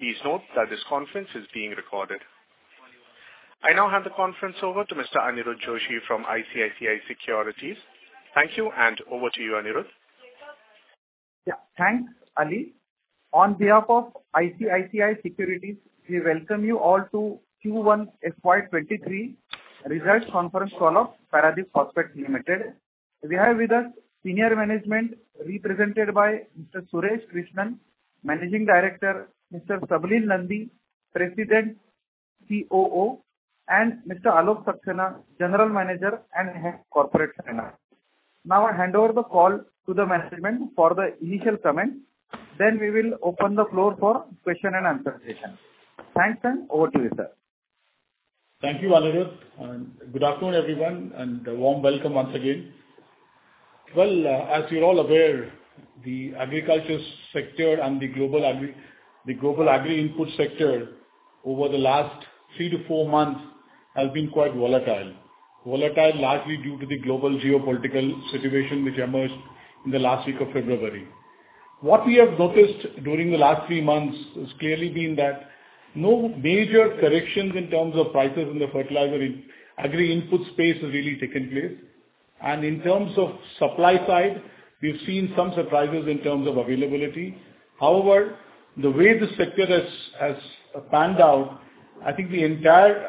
Please note that this conference is being recorded. I now hand the conference over to Mr. Anirudh Joshi from ICICI Securities. Thank you, and over to you, Anirudh. Yeah, thanks, Ali. On behalf of ICICI Securities, we welcome you all to Q1 FY23 Results Conference Call of Paradeep Phosphates Limited. We have with us senior management represented by Mr. Suresh Krishnan, Managing Director; Mr. Sabaleel Nandi, President and Chief Operating Officer; and Mr. Alok Saxena, General Manager and Head of Corporate Finance. Now I hand over the call to the management for the initial comments, then we will open the floor for question and answer session. Thanks, and over to you, sir. Thank you, Anirudh. Good afternoon, everyone, and a warm welcome once again. Well, as you're all aware, the agriculture sector and the global agri-input sector over the last three to four months has been quite volatile, largely due to the global geopolitical situation which emerged in the last week of February. What we have noticed during the last three months has clearly been that no major corrections in terms of prices in the fertilizer in agri-input space have really taken place. In terms of supply side, we've seen some surprises in terms of availability. However, the way the sector has panned out, I think the entire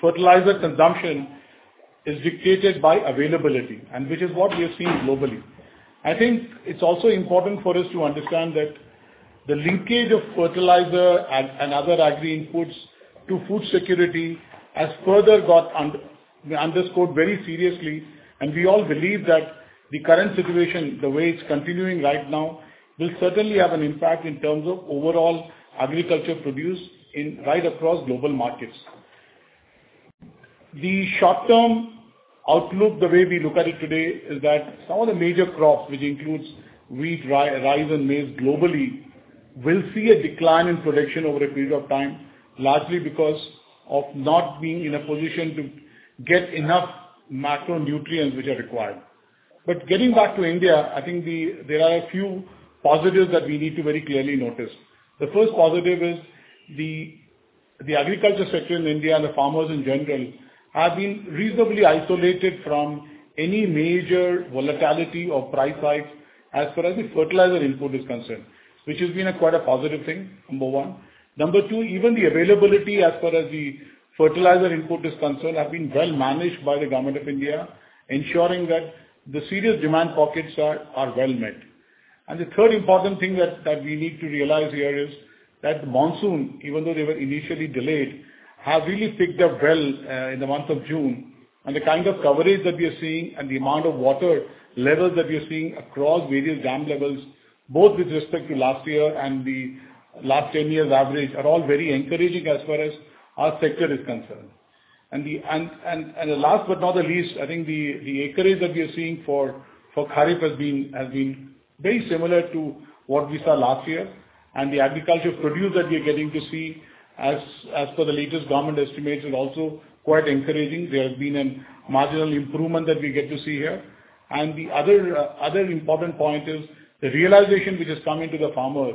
fertilizer consumption is dictated by availability, and which is what we have seen globally. I think it's also important for us to understand that the leakage of fertilizer and other agri-inputs to food security has further got underscored very seriously, and we all believe that the current situation, the way it's continuing right now, will certainly have an impact in terms of overall agriculture produce right across global markets. The short-term outlook, the way we look at it today, is that some of the major crops which includes wheat, rice, and maize globally will see a decline in production over a period of time, largely because of not being in a position to get enough macronutrients which are required. But getting back to India, I think there are a few positives that we need to very clearly notice. The first positive is the agriculture sector in India and the farmers in general have been reasonably isolated from any major volatility or price hikes as far as the fertilizer input is concerned, which has been quite a positive thing, number one. Number two, even the availability as far as the fertilizer input is concerned has been well managed by the Government of India, ensuring that the serious demand pockets are well met. The third important thing that we need to realize here is that the monsoon, even though they were initially delayed, have really picked up well in the month of June, and the kind of coverage that we are seeing and the amount of water levels that we are seeing across various dam levels, both with respect to last year and the last 10 years' average, are all very encouraging as far as our sector is concerned. And last but not the least, I think the acreage that we are seeing for Kharif has been very similar to what we saw last year, and the agriculture produce that we are getting to see as per the latest government estimates is also quite encouraging. There has been a marginal improvement that we get to see here. And the other important point is the realization which has come into the farmer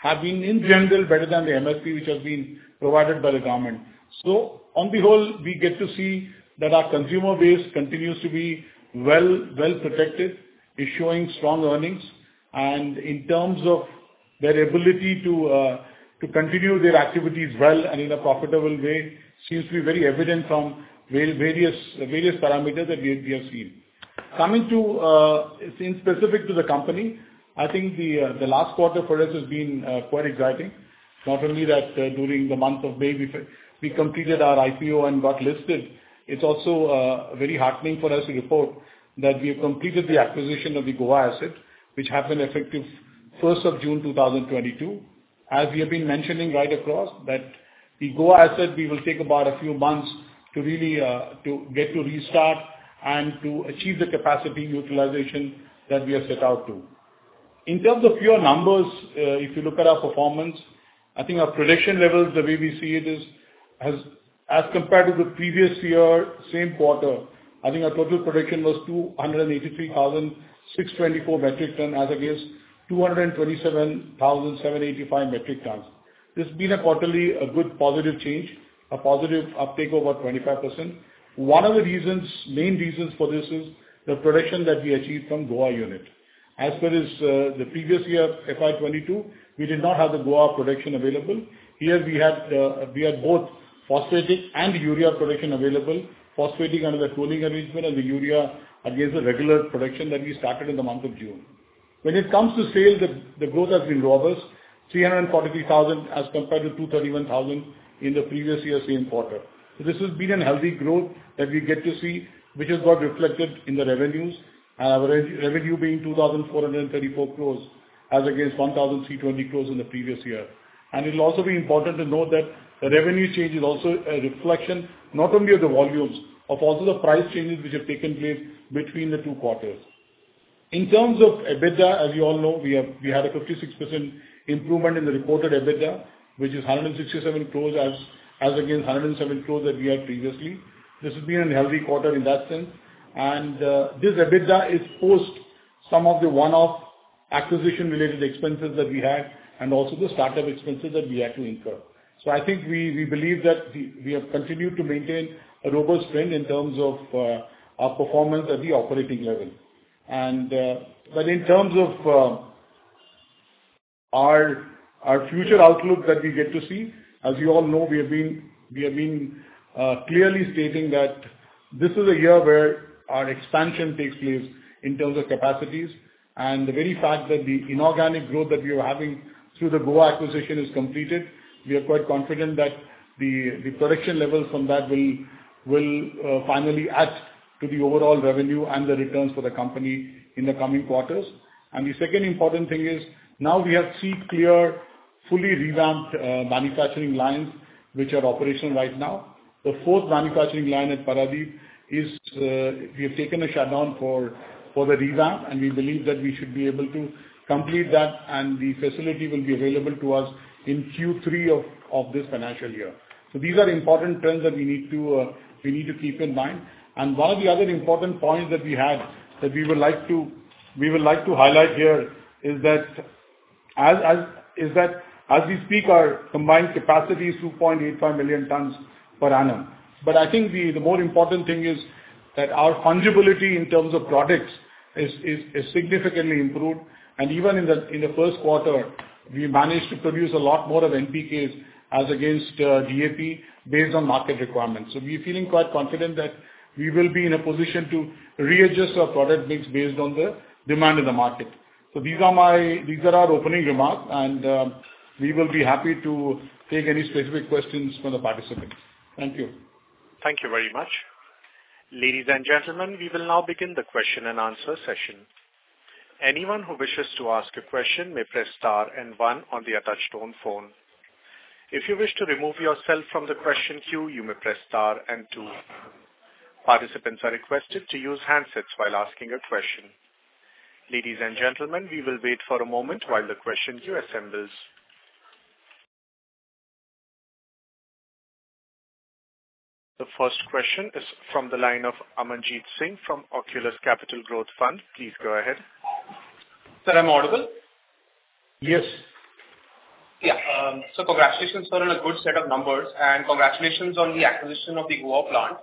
has been, in general, better than the MSP which has been provided by the government. So on the whole, we get to see that our consumer base continues to be well protected, is showing strong earnings, and in terms of their ability to continue their activities well and in a profitable way seems to be very evident from various parameters that we have seen. Coming to, in specific to the company, I think the last quarter for us has been quite exciting. Not only that, during the month of May we completed our IPO and got listed, it's also very heartening for us to report that we have completed the acquisition of the Goa asset, which happened effective 1st of June 2022. As we have been mentioning right across, that the Goa asset, we will take about a few months to really to get to restart and to achieve the capacity utilization that we have set out to. In terms of pure numbers, if you look at our performance, I think our production levels, the way we see it is, has as compared to the previous year, same quarter, I think our total production was 283,624 metric tons as against 227,785 metric tons. This has been quarterly a good positive change, a positive uptake of about 25%. One of the reasons, main reasons for this is the production that we achieved from Goa unit. As far as the previous year, FY22, we did not have the Goa production available. Here we had both phosphatic and urea production available, phosphatic under the cooling arrangement and the urea against the regular production that we started in the month of June. When it comes to sales, the growth has been robust, 343,000 as compared to 231,000 in the previous year, same quarter. So this has been a healthy growth that we get to see, which has got reflected in the revenues, and our revenue being 2,434 crores as against 1,020 crores in the previous year. It'll also be important to note that the revenue change is also a reflection not only of the volumes but also the price changes which have taken place between the two quarters. In terms of EBITDA, as you all know, we had a 56% improvement in the reported EBITDA, which is 167 crore as against 107 crore that we had previously. This has been a healthy quarter in that sense. This EBITDA is post some of the one-off acquisition-related expenses that we had and also the startup expenses that we had to incur. I think we believe that we have continued to maintain a robust trend in terms of our performance at the operating level. But in terms of our future outlook that we get to see, as you all know, we have been clearly stating that this is a year where our expansion takes place in terms of capacities. And the very fact that the inorganic growth that we are having through the Goa acquisition is completed, we are quite confident that the production levels from that will finally add to the overall revenue and the returns for the company in the coming quarters. And the second important thing is now we have three clear, fully revamped manufacturing lines which are operational right now. The fourth manufacturing line at Paradeep is we have taken a shutdown for the revamp, and we believe that we should be able to complete that, and the facility will be available to us in Q3 of this financial year. So these are important trends that we need to keep in mind. And one of the other important points that we would like to highlight here is that as we speak, our combined capacity is 2.85 million tons per annum. But I think the more important thing is that our fungibility in terms of products is significantly improved. And even in the first quarter, we managed to produce a lot more of NPKs as against DAP based on market requirements. So we're feeling quite confident that we will be in a position to readjust our product mix based on the demand in the market. So these are our opening remarks, and we will be happy to take any specific questions from the participants. Thank you. Thank you very much. Ladies and gentlemen, we will now begin the question and answer session. Anyone who wishes to ask a question may press star and one on the touch-tone phone. If you wish to remove yourself from the question queue, you may press star and two. Participants are requested to use handsets while asking a question. Ladies and gentlemen, we will wait for a moment while the question queue assembles. The first question is from the line of Amanjeet Singh from Octus Capital Growth Fund. Please go ahead. Sir, I'm audible? Yes. Yeah. So congratulations, sir, on a good set of numbers, and congratulations on the acquisition of the Goa plant.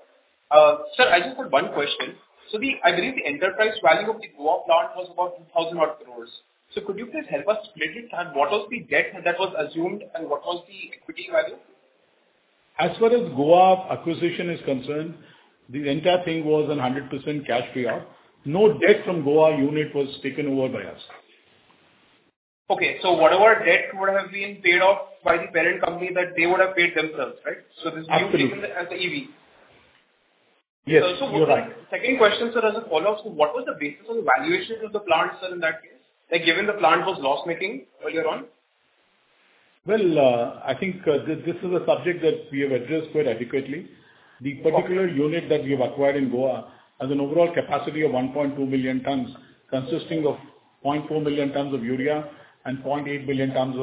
Sir, I just had one question. So I believe the enterprise value of the Goa plant was about 2,000 crores. So could you please help us split it? What was the debt that was assumed, and what was the equity value? As far as Goa acquisition is concerned, the entire thing was 100% cash payout. No debt from Goa unit was taken over by us. Okay. So whatever debt would have been paid off by the parent company, that they would have paid themselves, right? So this is you taking the as the EV. Yes. You're right. Second question, sir, as a follow-up. What was the basis of the valuation of the plant, sir, in that case, given the plant was loss-making earlier on? Well, I think this is a subject that we have addressed quite adequately. The particular unit that we have acquired in Goa has an overall capacity of 1.2 million tonnes consisting of 0.4 million tonnes of urea and 0.8 million tonnes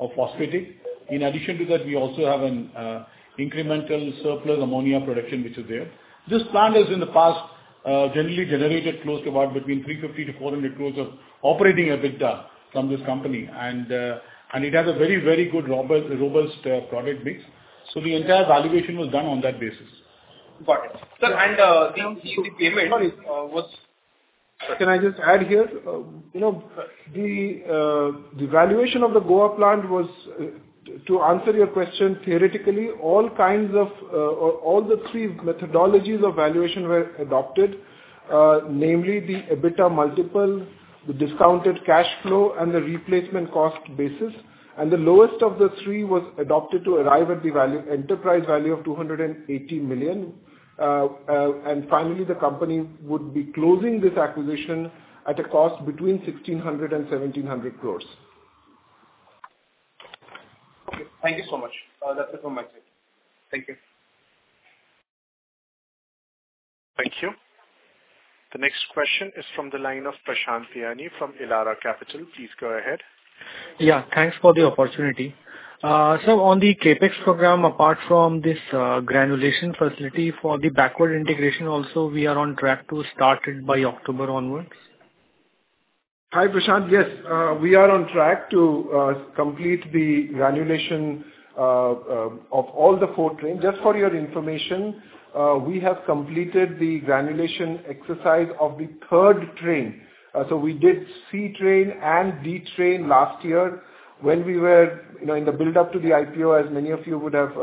of phosphatic. In addition to that, we also have an incremental surplus ammonia production which is there. This plant has, in the past, generally generated close to about between 350 to 400 crores of operating EBITDA from this company, and it has a very, very good robust product mix. So the entire valuation was done on that basis. Got it. Sir, and the payment was. Sorry. Can I just add here? The valuation of the Goa plant was, to answer your question theoretically, all kinds of or all the three methodologies of valuation were adopted, namely the EBITDA multiple, the discounted cash flow, and the replacement cost basis. The lowest of the three was adopted to arrive at the enterprise value of $280 million. Finally, the company would be closing this acquisition at a cost between 1,600 crores and 1,700 crores. Okay. Thank you so much. That's it from my side. Thank you. Thank you. The next question is from the line of Prashant Biyani from Elara Capital. Please go ahead. Yeah. Thanks for the opportunity. Sir, on the CapEx program, apart from this granulation facility for the backward integration, also, we are on track to start it by October onward? Hi, Prashant. Yes. We are on track to complete the granulation of all the four trains. Just for your information, we have completed the granulation exercise of the third train. So we did C Train and D Train last year when we were in the build-up to the IPO, as many of you would have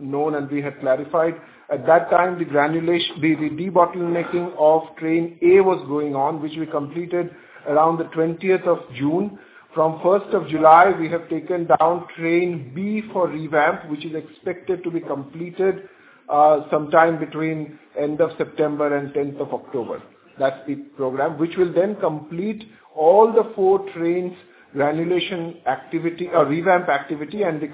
known, and we had clarified. At that time, the granulation the debottlenecking of Train A was going on, which we completed around the 20th of June. From 1st of July, we have taken down Train B for revamp, which is expected to be completed sometime between end of September and 10th of October. That's the program, which will then complete all the four trains' granulation activity or revamp activity, and the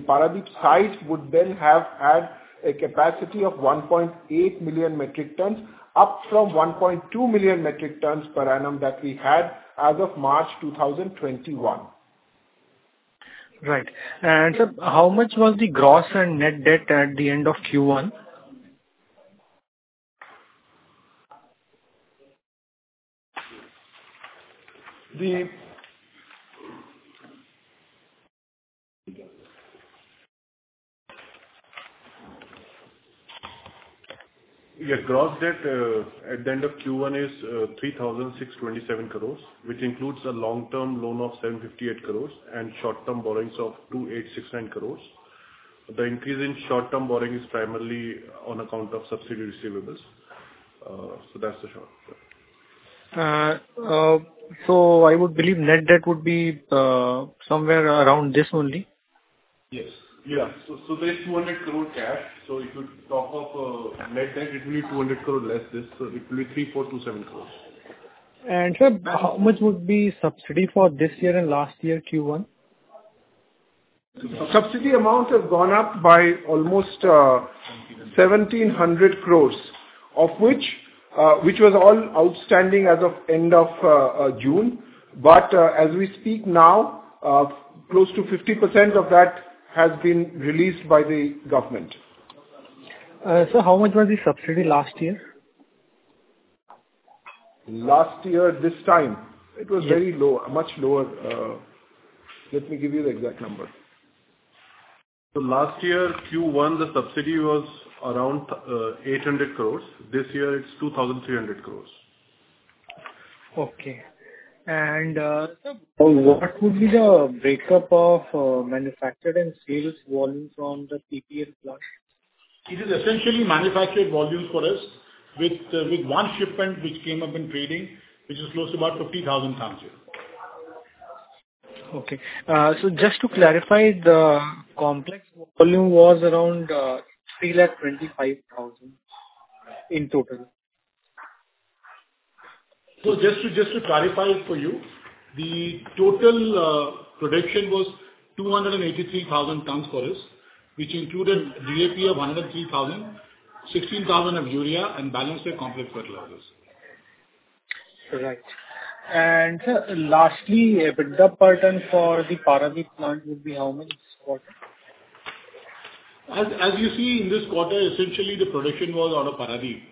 Paradeep site would then have had a capacity of 1.8 million metric tonnes up from 1.2 million metric tonnes per annum that we had as of March 2021. Right. And sir, how much was the gross and net debt at the end of Q1? Yeah. Gross debt at the end of Q1 is 3,627 crores, which includes a long-term loan of 758 crores and short-term borrowings of 2,869 crores. The increase in short-term borrowing is primarily on account of subsidy receivables. So that's the short term. I would believe net debt would be somewhere around this only? Yes. Yeah. So there's 200 crore cash. So if you top up net debt, it will be 200 crore less this. So it will be 3,427 crores. Sir, how much would be subsidy for this year and last year, Q1? Subsidy amount has gone up by almost 1,700 crore, which was all outstanding as of end of June. But as we speak now, close to 50% of that has been released by the government. Sir, how much was the subsidy last year? Last year, this time, it was very low, much lower. Let me give you the exact number. So last year, Q1, the subsidy was around 800 crores. This year, it's 2,300 crores. Okay. And, sir. What would be the breakup of manufactured and sales volume from the PPL plant? It is essentially manufactured volumes for us with one shipment which came up in trading, which is close to about 50,000 tons here. Okay. Just to clarify, the complex volume was around 325,000 in total. So just to clarify it for you, the total production was 283,000 tonnes for us, which included DAP of 103,000, 16,000 of urea, and balanced with complex fertilizers. Right. Sir, lastly, EBITDA pattern for the Paradeep plant would be how many this quarter? As you see, in this quarter, essentially, the production was out of Paradeep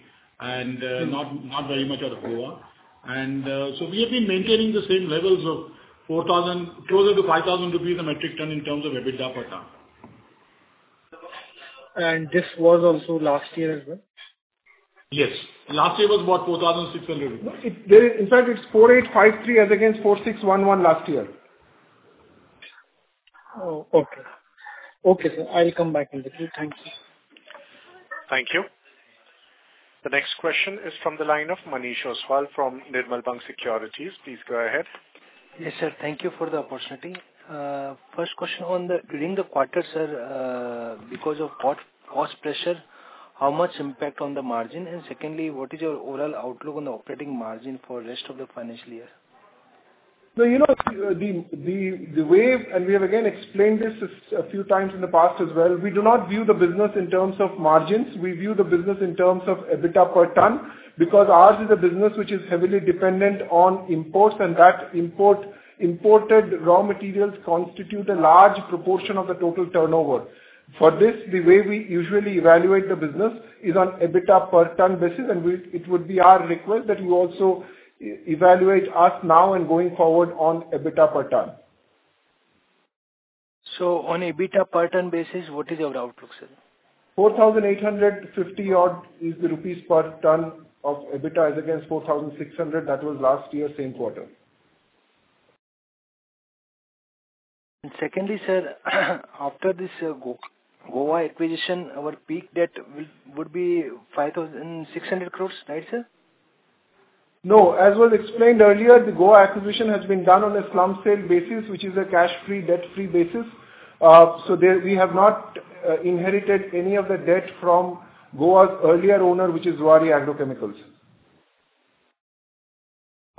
and not very much out of Goa. So we have been maintaining the same levels of 4,000 closer to 5,000 rupees a metric ton in terms of EBITDA per metric ton. This was also last year as well? Yes. Last year was about 4,600 rupees. In fact, it's 4,853 as against 4,611 last year. Oh, okay. Okay, sir. I'll come back in the queue. Thank you. Thank you. The next question is from the line of Manish Ostwal from Nirmal Bang Securities. Please go ahead. Yes, sir. Thank you for the opportunity. First question, during the quarter, sir, because of cost pressure, how much impact on the margin? And secondly, what is your overall outlook on the operating margin for the rest of the financial year? So the way we have, again, explained this a few times in the past as well. We do not view the business in terms of margins. We view the business in terms of EBITDA per ton because ours is a business which is heavily dependent on imports, and that imported raw materials constitute a large proportion of the total turnover. For this, the way we usually evaluate the business is on EBITDA per ton basis, and it would be our request that you also evaluate us now and going forward on EBITDA per ton. On EBITDA per ton basis, what is your outlook, sir? 4,850-odd per ton of EBITDA as against 4,600. That was last year, same quarter. Secondly, sir, after this Goa acquisition, our peak debt would be 5,600 crore, right, sir? No. As was explained earlier, the Goa acquisition has been done on a slump-sale basis, which is a cash-free, debt-free basis. So we have not inherited any of the debt from Goa's earlier owner, which is Zuari Agro Chemicals.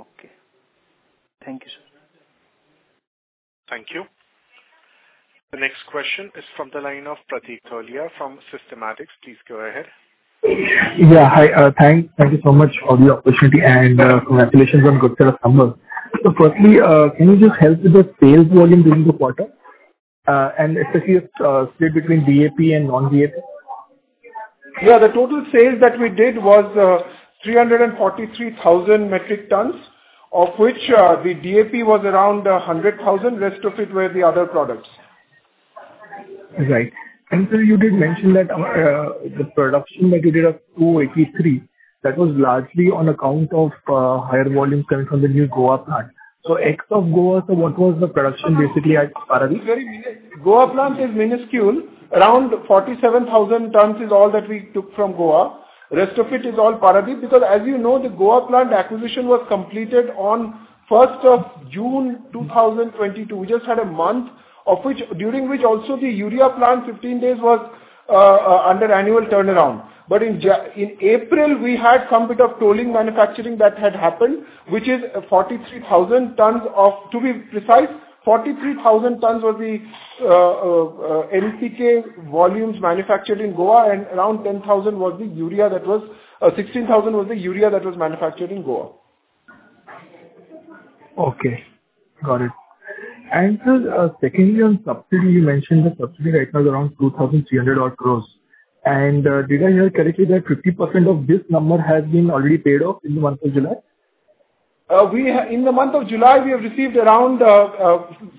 Okay. Thank you, sir. Thank you. The next question is from the line of Pratik Tholiya from Systematix Group. Please go ahead. Yeah. Hi. Thank you so much for the opportunity, and congratulations on a good set of numbers. So firstly, can you just help with the sales volume during the quarter, and especially if split between DAP and non-DAP? Yeah. The total sales that we did was 343,000 metric tons of which the DAP was around 100,000. Rest of it were the other products. Right. And sir, you did mention that the production that you did of 283, that was largely on account of higher volumes coming from the new Goa plant. So ex of Goa, sir, what was the production basically at Paradeep? Goa plant is minuscule. Around 47,000 tonnes is all that we took from Goa. Rest of it is all Paradeep because, as you know, the Goa plant acquisition was completed on 1st of June 2022. We just had a month during which also the urea plant, 15 days, was under annual turnaround. But in April, we had some bit of tolling manufacturing that had happened, which is, to be precise, 43,000 tonnes was the NPK volumes manufactured in Goa, and around 10,000 was the urea that was 16,000 was the urea that was manufactured in Goa. Okay. Got it. And sir, secondly, on subsidy, you mentioned the subsidy right now is around 2,300-odd crores. Did I hear correctly that 50% of this number has been already paid off in the month of July? In the month of July, we have received around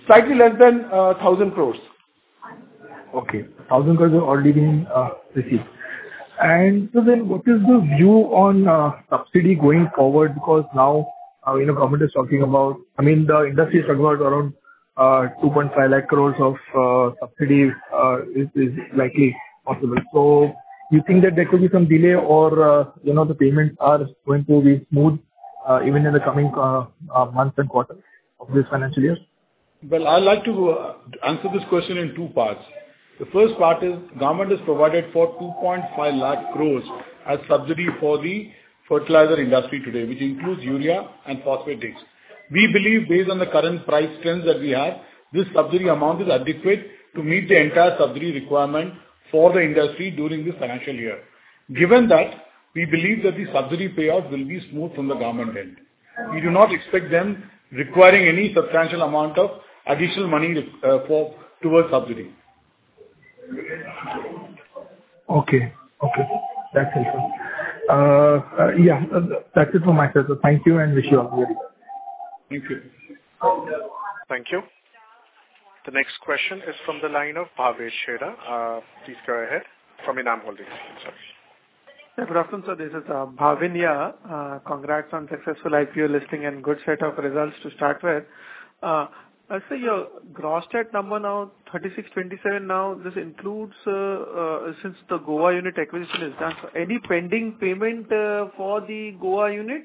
slightly less than 1,000 crore. Okay. 1,000 crore have already been received. And so then, what is the view on subsidy going forward because now the government is talking about I mean, the industry is talking about around 250,000 crore of subsidy is likely possible. So you think that there could be some delay or the payments are going to be smooth even in the coming months and quarters of this financial year? Well, I'd like to answer this question in two parts. The first part is government has provided for 250,000 crore as subsidy for the fertilizer industry today, which includes urea and phosphates. We believe, based on the current price trends that we have, this subsidy amount is adequate to meet the entire subsidy requirement for the industry during this financial year. Given that, we believe that the subsidy payout will be smooth from the government end. We do not expect them requiring any substantial amount of additional money towards subsidy. Okay. Okay. That's helpful. Yeah. That's it from my side, sir. Thank you and wish you all the very best. Thank you. Thank you. The next question is from the line of Bhavin Chheda. Please go ahead. From Enam Holdings. Sorry. Yeah. Good afternoon, sir. This is Bhavin here. Congrats on successful IPO listing and good set of results to start with. I see your gross debt number now, 3,627 now. This includes since the Goa unit acquisition is done. So any pending payment for the Goa unit?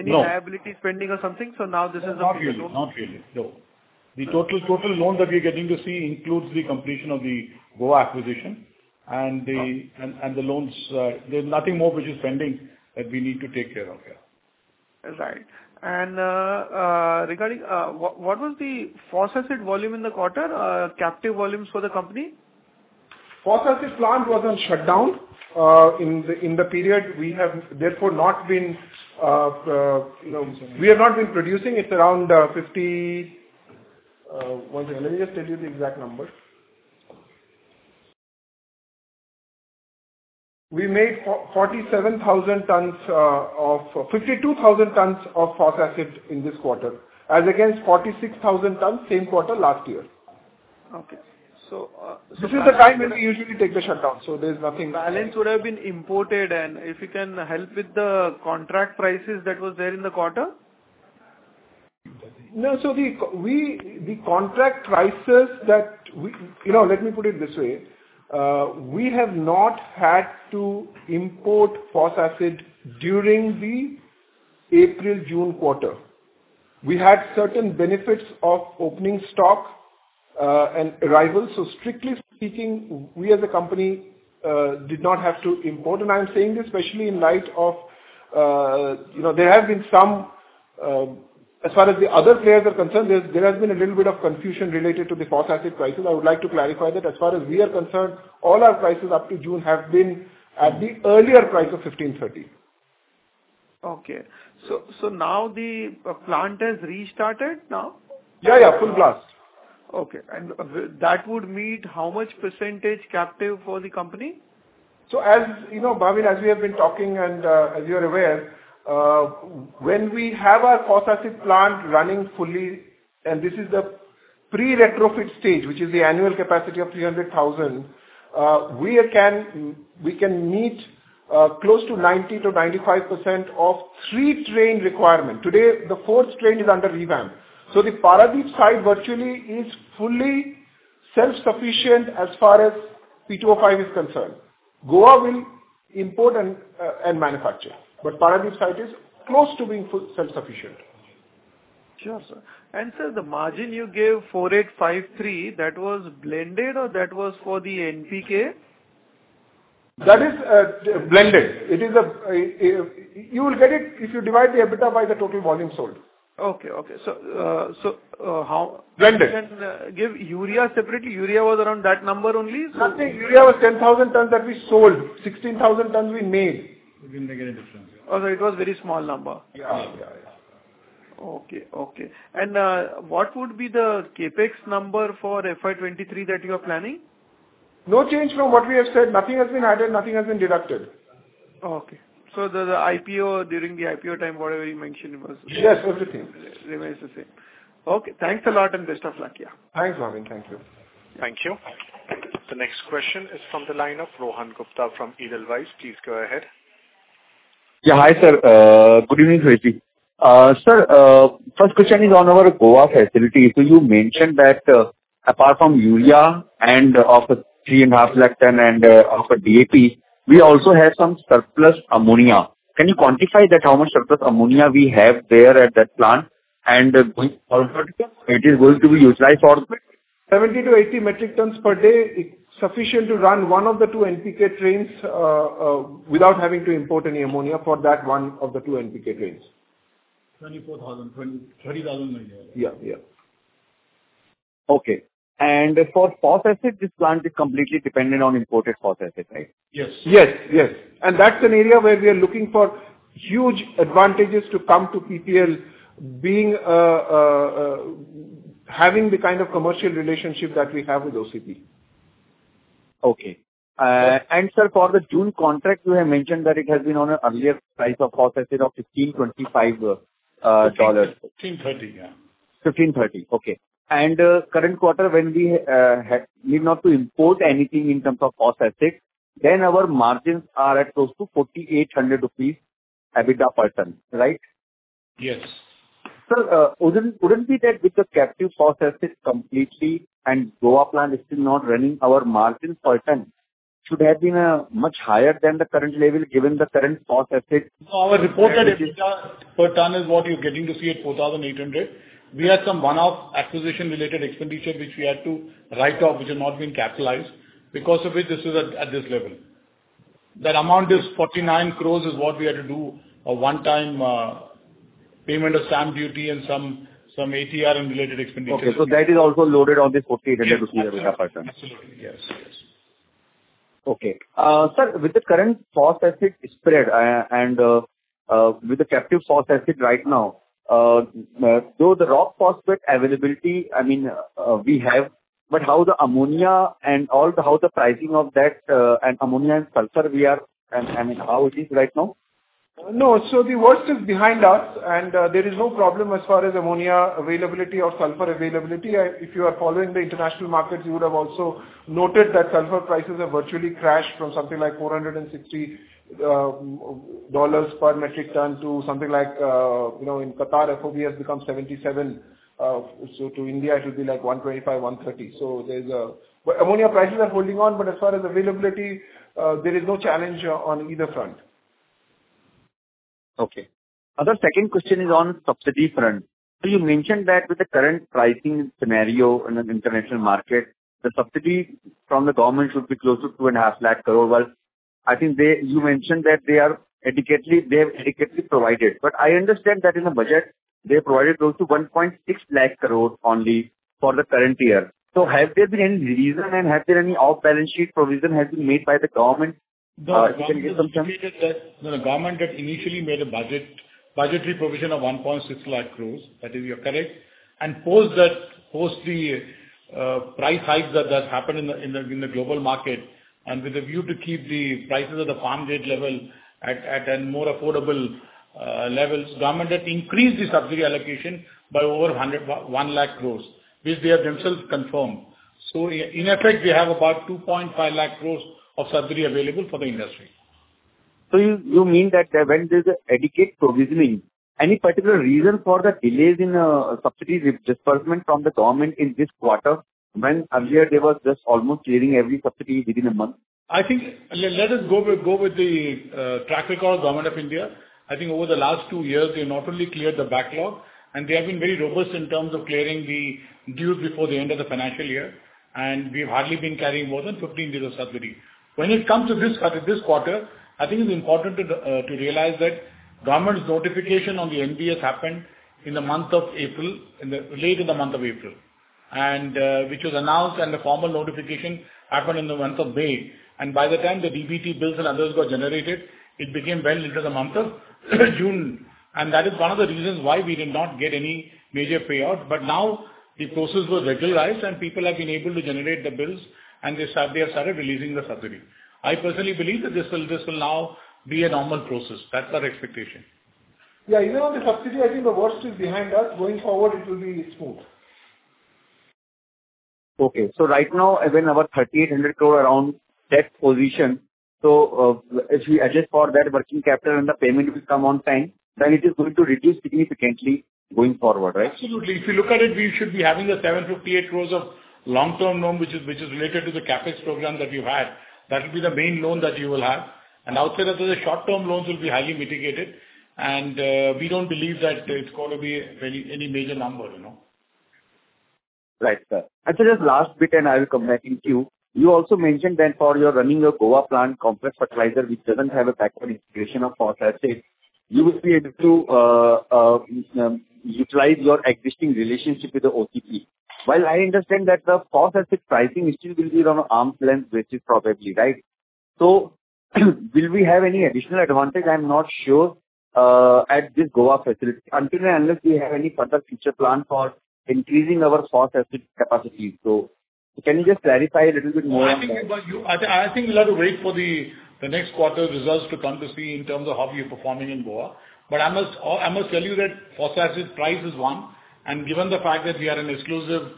Any liabilities pending or something? So now this is a big loan. Not really. Not really. No. The total loan that we are getting to see includes the completion of the Goa acquisition and the loans. There's nothing more which is pending that we need to take care of here. Right. And regarding what was the phosphate volume in the quarter, captive volumes for the company? phosphate plant was on shutdown in the period. We have, therefore, not been producing. It's around 50. Let me just tell you the exact number. We made 47,000 tonnes of 52,000 tonnes of phosphate in this quarter as against 46,000 tonnes same quarter last year. This is the time when we usually take the shutdown. So there's nothing. Balance would have been imported. If you can help with the contract prices that was there in the quarter? No. So, the contract prices, let me put it this way. We have not had to import phosphate during the April-June quarter. We had certain benefits of opening stock and arrival. So strictly speaking, we as a company did not have to import. And I'm saying this especially in light of there have been some as far as the other players are concerned, there has been a little bit of confusion related to the phosphate prices. I would like to clarify that. As far as we are concerned, all our prices up to June have been at the earlier price of $1,530. Okay. So now the plant has restarted now? Yeah. Yeah. Full blast. Okay. That would meet how much percentage captive for the company? Bhavin, as we have been talking and as you are aware, when we have our phosphate plant running fully and this is the pre-retrofit stage, which is the annual capacity of 300,000, we can meet close to 90% to 95% of three-train requirement. Today, the fourth train is under revamp. The Paradeep site virtually is fully self-sufficient as far as P2O5 is concerned. Goa will import and manufacture, but Paradeep site is close to being self-sufficient. Sure, sir. And sir, the margin you gave, 4,853, that was blended or that was for the NPK? That is blended. You will get it if you divide the EBITDA by the total volume sold. Okay. Okay. So how. Blended. You can give urea separately. Urea was around that number only, so? Nothing. Urea was 10,000 tons that we sold. 16,000 tons we made. We didn't get a difference. Oh, so it was a very small number? Yeah. Yeah. Yeah. Okay. Okay. What would be the CapEx number for FY23 that you are planning? No change from what we have said. Nothing has been added. Nothing has been deducted. Okay. So during the IPO time, whatever you mentioned was. Yes. Everything. Remains the same. Okay. Thanks a lot and best of luck. Yeah. Thanks, Bhavin. Thank you. Thank you. The next question is from the line of Rohan Gupta from Edelweiss. Please go ahead. Yeah. Hi, sir. Good evening, Suresh. Sir, first question is on our Goa facility. So you mentioned that apart from urea of 3.5 lakh tonnes of DAP, we also have some surplus ammonia. Can you quantify how much surplus ammonia we have there at that plant and for what it is going to be utilized for? 70 to 80 metric tons per day is sufficient to run one of the two NPK trains without having to import any ammonia for that one of the two NPK trains. 24,000. 30,000 maybe. Yeah. Yeah. Okay. And for phosphate, this plant is completely dependent on imported phosphate, right? Yes. Yes. Yes. And that's an area where we are looking for huge advantages to come to PPL having the kind of commercial relationship that we have with OCP. Okay. And sir, for the June contract, you have mentioned that it has been on an earlier price of phosphate of $1,525. 1,530. Yeah. 1,530. Okay. Current quarter, when we need not to import anything in terms of phosphate, then our margins are at close to 4,800 rupees EBITDA per ton, right? Yes. Sir, wouldn't that be with the captive phosphate completely and Goa plant still not running, our margins per ton should have been much higher than the current level given the current phosphate? Our reported EBITDA per ton is what you're getting to see at 4,800. We had some one-off acquisition-related expenditure which we had to write off, which had not been capitalized because of which this is at this level. That amount is 49 crore is what we had to do, a one-time payment of stamp duty and some ATR and related expenditures. Okay. So that is also loaded on this 4,800 rupees EBITDA per ton? Absolutely. Yes. Yes. Okay. Sir, with the current phosphate spread and with the captive phosphate right now, though the rock phosphate availability, I mean, we have, but how the ammonia and how the pricing of that and ammonia and sulfur, I mean, how it is right now? No. So the worst is behind us, and there is no problem as far as ammonia availability or sulfur availability. If you are following the international markets, you would have also noted that sulfur prices have virtually crashed from something like $460 per metric ton to something like in Qatar, FOB has become $77. So to India, it will be like $125 to $130. But ammonia prices are holding on, but as far as availability, there is no challenge on either front. Okay. Our second question is on subsidy front. So you mentioned that with the current pricing scenario in an international market, the subsidy from the government should be close to 250,000 crore. Well, I think you mentioned that they have adequately provided, but I understand that in the budget, they provided close to 160,000 crore only for the current year. So have there been any reason, and have there been any off-balance sheet provision made by the government? You can give some sense. The government initially made a budgetary provision of 160,000 crore, that is correct, and post the price hikes that happened in the global market and with a view to keep the prices at the farm gate level at a more affordable level, the government increased the subsidy allocation by over 100,000 crore, which they have themselves confirmed. So in effect, we have about 250,000 crore of subsidy available for the industry. So you mean that when there's adequate provisioning, any particular reason for the delays in subsidy disbursement from the government in this quarter when earlier they were just almost clearing every subsidy within a month? I think let us go with the track record of the Government of India. I think over the last two years, they not only cleared the backlog, and they have been very robust in terms of clearing the dues before the end of the financial year, and we've hardly been carrying more than 15 years of subsidy. When it comes to this quarter, I think it's important to realize that government's notification on the NBS happened in the month of April, late in the month of April, which was announced, and the formal notification happened in the month of May. By the time the DBT bills and others got generated, it became well into the month of June. That is one of the reasons why we did not get any major payouts. But now the process was regularized, and people have been able to generate the bills, and they have started releasing the subsidy. I personally believe that this will now be a normal process. That's our expectation. Yeah. Even on the subsidy, I think the worst is behind us. Going forward, it will be smooth. Okay. So right now, when our 3,800 crore around debt position, so if we adjust for that working capital and the payment will come on time, then it is going to reduce significantly going forward, right? Absolutely. If you look at it, we should be having 758 crore of long-term loan, which is related to the CapEx program that we've had. That will be the main loan that you will have. And outside of that, the short-term loans will be highly mitigated, and we don't believe that it's going to be any major number. Right, sir. Actually, just last bit, and I will come back in queue. You also mentioned that for your running your Goa plant complex fertilizer, which doesn't have a backward integration of phosphates state, you will be able to utilize your existing relationship with the OCP. While I understand that the phosphate pricing still will be on arm's length basis probably, right? So will we have any additional advantage? I'm not sure at this Goa facility unless we have any further future plan for increasing our phosphate capacity. So can you just clarify a little bit more on that? I think we'll have to wait for the next quarter results to come to see in terms of how we are performing in Goa. But I must tell you that phosphate price is one. And given the fact that we are an exclusive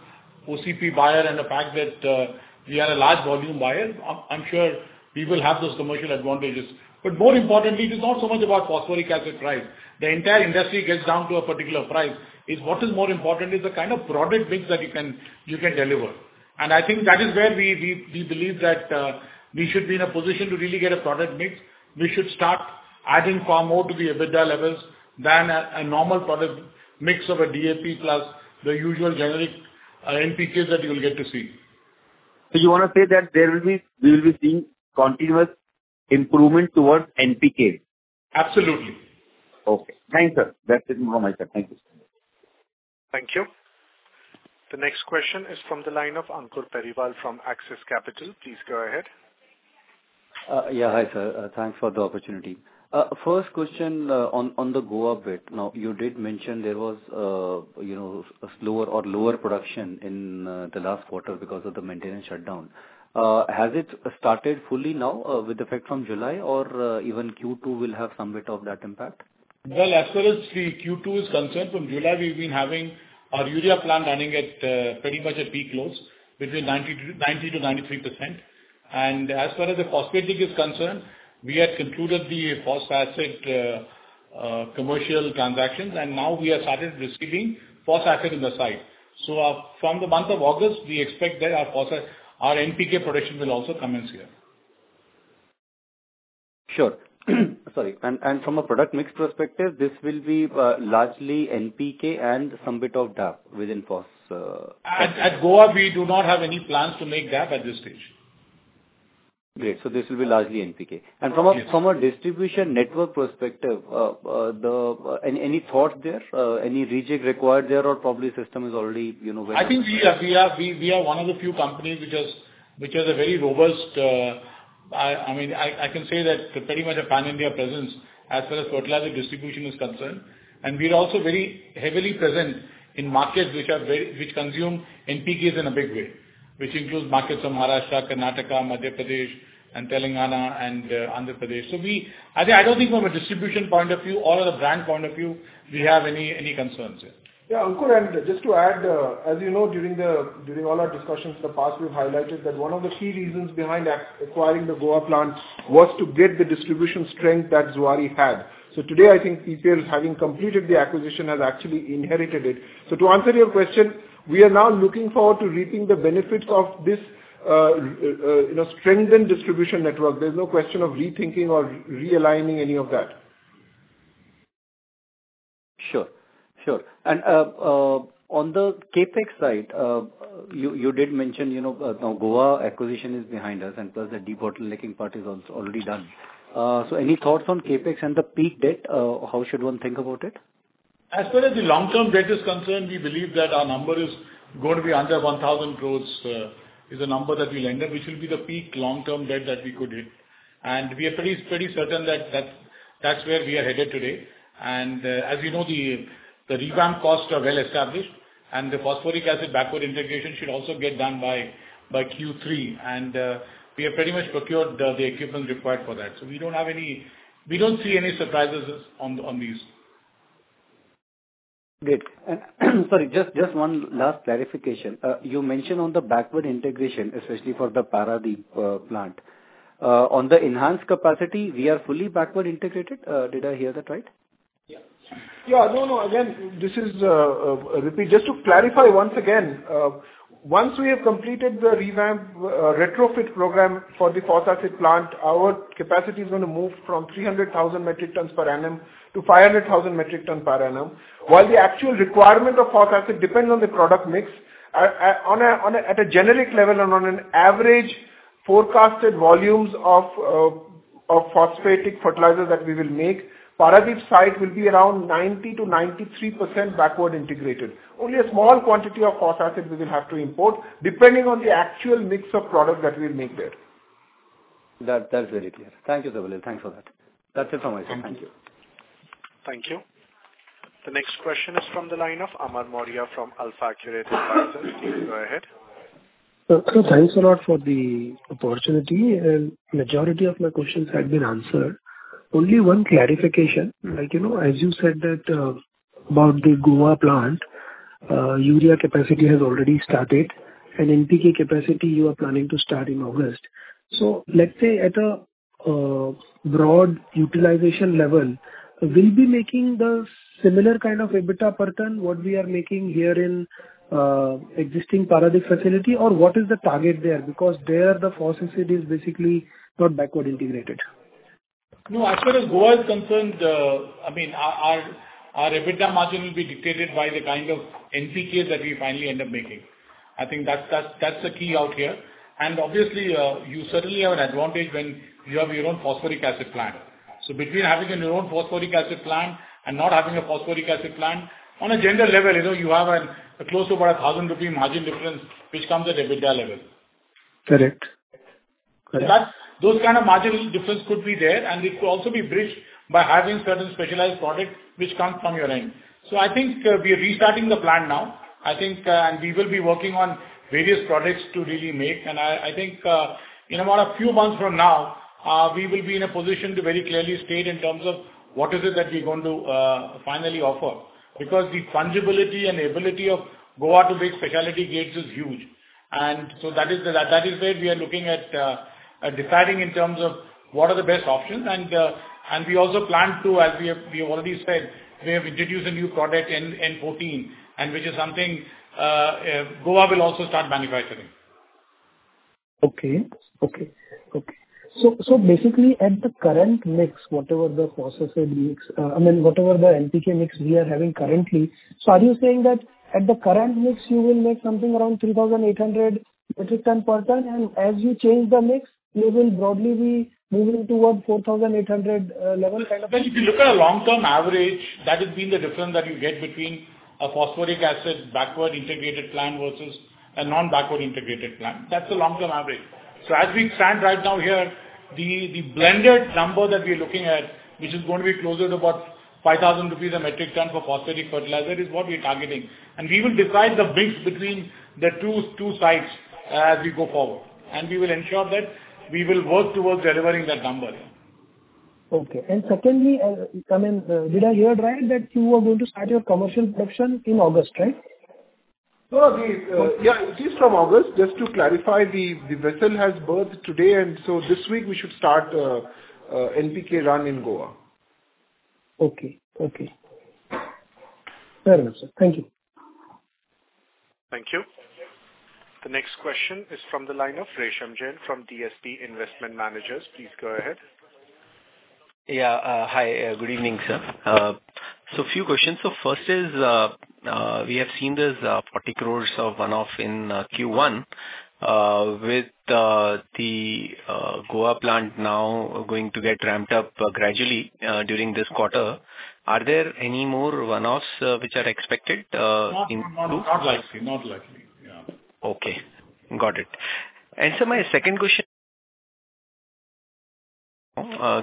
OCP buyer and the fact that we are a large volume buyer, I'm sure we will have those commercial advantages. But more importantly, it is not so much about phosphoric acid price. The entire industry gets down to a particular price. What is more important is the kind of product mix that you can deliver. And I think that is where we believe that we should be in a position to really get a product mix. We should start adding far more to the EBITDA levels than a normal product mix of a DAP plus the usual generic NPKs that you will get to see. You want to say that we will be seeing continuous improvement towards NPK? Absolutely. Okay. Thanks, sir. That's it from my side. Thank you. Thank you. The next question is from the line of Ankur Periwal from Axis Capital. Please go ahead. Yeah. Hi, sir. Thanks for the opportunity. First question on the Goa bit. Now, you did mention there was a slower or lower production in the last quarter because of the maintenance shutdown. Has it started fully now with effect from July, or even Q2 will have some bit of that impact? Well, as far as Q2 is concerned, from July, we've been having our urea plant running pretty much at peak load 90% to 93%. And as far as the phosphate plant is concerned, we had concluded the phosphate commercial transactions, and now we have started receiving phosphate on site. So from the month of August, we expect that our NPK production will also come online. Sure. Sorry. And from a product mix perspective, this will be largely NPK and some bit of DAP within phosphate? At Goa, we do not have any plans to make DAP at this stage. Great. This will be largely NPK. From a distribution network perspective, any thoughts there? Any reject required there, or probably the system is already well? I think we are one of the few companies which has a very robust I mean, I can say that pretty much a Pan-India presence as far as fertilizer distribution is concerned. We are also very heavily present in markets which consume NPKs in a big way, which includes markets of Maharashtra, Karnataka, Madhya Pradesh, and Telangana, and Andhra Pradesh. So I don't think from a distribution point of view or a brand point of view, we have any concerns here. Yeah. Ankur, and just to add, as you know, during all our discussions in the past, we've highlighted that one of the key reasons behind acquiring the Goa plant was to get the distribution strength that Zuari had. So today, I think PPL, having completed the acquisition, has actually inherited it. To answer your question, we are now looking forward to reaping the benefits of this strengthened distribution network. There's no question of rethinking or realigning any of that. Sure. Sure. And on the CapEx side, you did mention now Goa acquisition is behind us, and plus the debottlenecking part is already done. So any thoughts on CapEx and the peak debt? How should one think about it? As far as the long-term debt is concerned, we believe that our number is going to be under 1,000 crores, which is the number that we'll end up, which will be the peak long-term debt that we could hit. We are pretty certain that that's where we are headed today. As you know, the revamp costs are well established, and the phosphoric acid backward integration should also get done by Q3. We have pretty much procured the equipment required for that. We don't see any surprises on these. Good. Sorry, just one last clarification. You mentioned on the backward integration, especially for the Paradeep plant. On the enhanced capacity, we are fully backward integrated? Did I hear that right? Yeah. Yeah. No, no. Again, this is a repeat. Just to clarify once again, once we have completed the retrofit program for the phosphate plant, our capacity is going to move from 300,000 metric tons per annum to 500,000 metric tons per annum. While the actual requirement of phosphate depends on the product mix, at a generic level and on an average forecasted volumes of phosphatic fertilizer that we will make, Paradeep site will be around 90% to 93% backward integrated. Only a small quantity of phosphate we will have to import depending on the actual mix of product that we'll make there. That's very clear. Thank you, Sabaleel. Thanks for that. That's it from my side. Thank you. Thank you. The next question is from the line of Amar Maurya from Alpha Accurate Advisors. Please go ahead. Thanks a lot for the opportunity. Majority of my questions have been answered. Only one clarification. As you said about the Goa plant, urea capacity has already started, and NPK capacity, you are planning to start in August. So let's say at a broad utilization level, will we be making the similar kind of EBITDA per ton what we are making here in existing Paradeep facility, or what is the target there? Because there, the phosphate is basically not backward integrated. No. As far as Goa is concerned, I mean, our EBITDA margin will be dictated by the kind of NPKs that we finally end up making. I think that's the key out here. Obviously, you certainly have an advantage when you have your own phosphoric acid plant. Between having your own phosphoric acid plant and not having a phosphoric acid plant, on a general level, you have close to about 1,000 rupee margin difference which comes at EBITDA level. Correct. Correct. Those kind of margin difference could be there, and it could also be bridged by having certain specialized products which come from your end. So I think we are restarting the plant now, and we will be working on various products to really make. And I think in about a few months from now, we will be in a position to very clearly state in terms of what is it that we're going to finally offer because the fungibility and ability of Goa to make specialty grades is huge. And so that is where we are looking at deciding in terms of what are the best options. And we also plan to, as we have already said, we have introduced a new product, N-14, which is something Goa will also start manufacturing. Okay. So basically, at the current mix, whatever the phosphate mix—I mean, whatever the NPK mix we are having currently, so are you saying that at the current mix, you will make something around 3,800 metric tons per ton? And as you change the mix, it will broadly be moving toward 4,800 level kind of? Well, if you look at a long-term average, that has been the difference that you get between a phosphoric acid backward integrated plant versus a non-backward integrated plant. That's the long-term average. So as we stand right now here, the blended number that we're looking at, which is going to be closer to about 5,000 rupees a metric ton for phosphatic fertilizer, is what we're targeting. And we will decide the mix between the two sites as we go forward. And we will ensure that we will work towards delivering that number. Okay. And secondly, I mean, did I hear right that you were going to start your commercial production in August, right? Oh, okay. Yeah. It is from August. Just to clarify, the vessel has berthed today, and so this week, we should start NPK run in Goa. Okay. Okay. Fair enough, sir. Thank you. Thank you. The next question is from the line of Resham Jain from DSP Investment Managers. Please go ahead. Yeah. Hi. Good evening, sir. A few questions. First is we have seen this 40 crore of one-off in Q1 with the Goa plant now going to get ramped up gradually during this quarter. Are there any more one-offs which are expected in Q2? Not likely. Not likely. Yeah. Okay. Got it. And so my second question,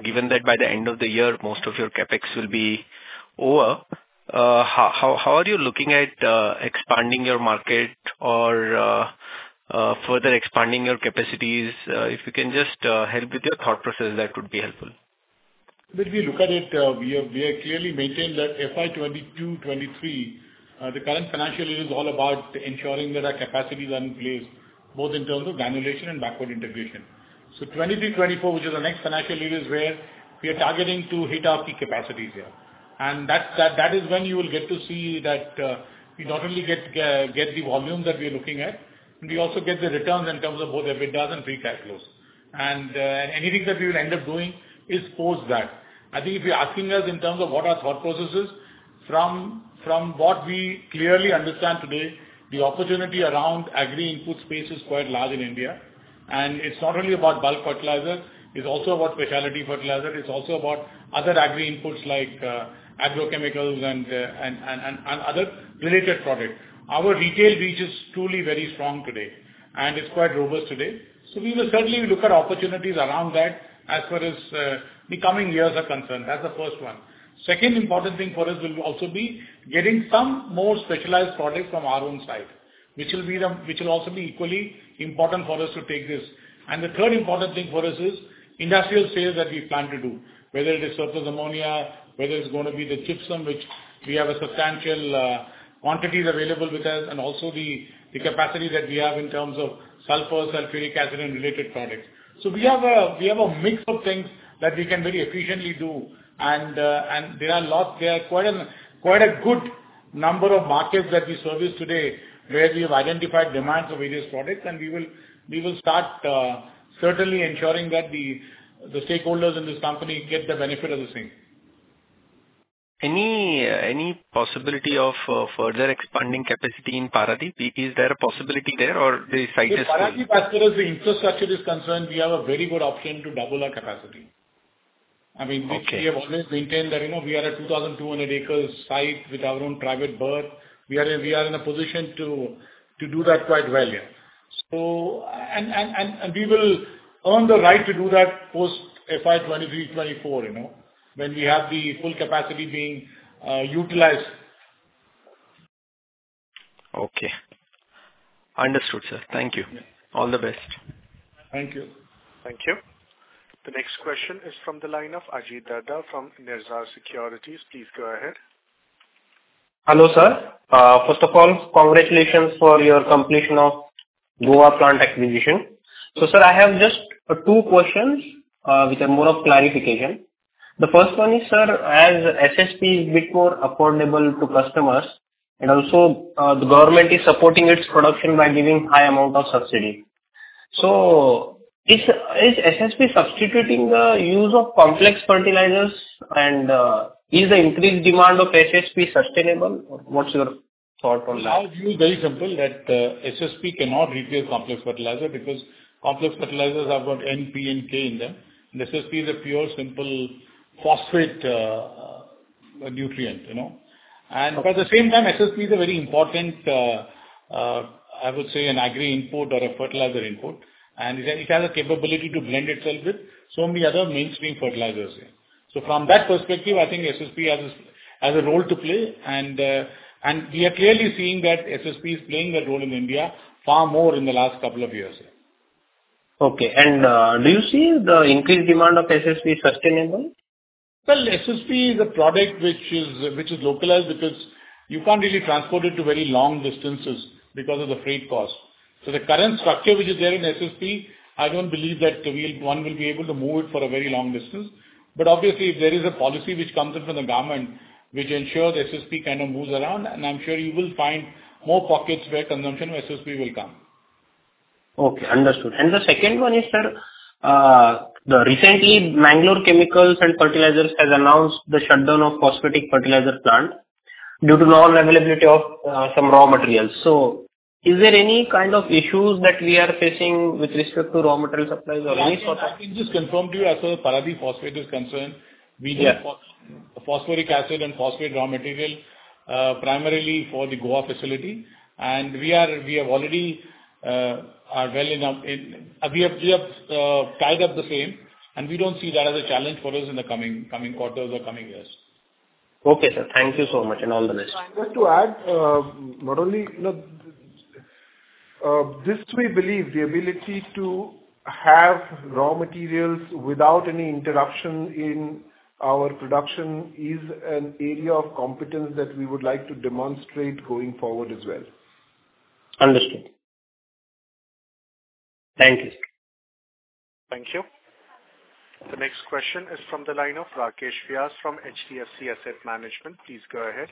given that by the end of the year, most of your CapEx will be over, how are you looking at expanding your market or further expanding your capacities? If you can just help with your thought process, that would be helpful. When we look at it, we have clearly maintained that FY2022-23, the current financial year is all about ensuring that our capacity is in place both in terms of granulation and backward integration. So FY2023-24, which is the next financial year, is where we are targeting to hit our key capacities here. And that is when you will get to see that we not only get the volume that we are looking at, we also get the returns in terms of both EBITDA and free cash flows. And anything that we will end up doing is post that. I think if you're asking us in terms of what our thought process is, from what we clearly understand today, the opportunity around agri-input space is quite large in India. And it's not only about bulk fertilizer. It's also about specialty fertilizer. It's also about other agri-inputs like agrochemicals and other related products. Our retail reach is truly very strong today, and it's quite robust today. We will certainly look at opportunities around that as far as the coming years are concerned. That's the first one. Second important thing for us will also be getting some more specialized products from our own site, which will also be equally important for us to take this. The third important thing for us is industrial sales that we plan to do, whether it is surplus ammonia, whether it's going to be the gypsum, which we have substantial quantities available with us, and also the capacity that we have in terms of sulfur, sulfuric acid, and related products. We have a mix of things that we can very efficiently do. There are a lot there. Quite a good number of markets that we service today where we have identified demands for various products. We will start certainly ensuring that the stakeholders in this company get the benefit of the same. Any possibility of further expanding capacity in Paradeep? Is there a possibility there, or the site is still? In Paradeep, as far as the infrastructure is concerned, we have a very good option to double our capacity. I mean, we have always maintained that we are a 2,200-acre site with our own private berth. We are in a position to do that quite well here. And we will earn the right to do that post-FY2023-24 when we have the full capacity being utilized. Okay. Understood, sir. Thank you. All the best. Thank you. Thank you. The next question is from the line of Ajit Daga from Nirzar Securities. Please go ahead. Hello, sir. First of all, congratulations for your completion of Goa plant acquisition. So, sir, I have just two questions which are more of clarification. The first one is, sir, as SSP is a bit more affordable to customers, and also the government is supporting its production by giving a high amount of subsidy. So is SSP substituting the use of complex fertilizers, and is the increased demand of SSP sustainable? What's your thought on that? Our view is very simple that SSP cannot replace complex fertilizer because complex fertilizers have got N, P, and K in them. And SSP is a pure, simple phosphate nutrient. And at the same time, SSP is a very important, I would say, an agri-input or a fertilizer input. And it has a capability to blend itself with so many other mainstream fertilizers here. So from that perspective, I think SSP has a role to play. And we are clearly seeing that SSP is playing a role in India far more in the last couple of years. Okay. Do you see the increased demand of SSP sustainable? Well, SSP is a product which is localized because you can't really transport it to very long distances because of the freight costs. So the current structure which is there in SSP, I don't believe that one will be able to move it for a very long distance. But obviously, if there is a policy which comes in from the government which ensures SSP kind of moves around, and I'm sure you will find more pockets where consumption of SSP will come. Okay. Understood. And the second one is, sir, recently, Mangalore Chemicals and Fertilizers has announced the shutdown of phosphatic fertilizer plant due to lack of availability of some raw materials. So is there any kind of issues that we are facing with respect to raw material supplies or any sort of? I can just confirm to you, as far as Paradeep Phosphates is concerned, we need phosphoric acid and phosphate raw material primarily for the Goa facility. And we have already are well enough we have tied up the same, and we don't see that as a challenge for us in the coming quarters or coming years. Okay, sir. Thank you so much, and all the best. Just to add, not only this, we believe the ability to have raw materials without any interruption in our production is an area of competence that we would like to demonstrate going forward as well. Understood. Thank you. Thank you. The next question is from the line of Rakesh Vyas from HDFC Asset Management. Please go ahead.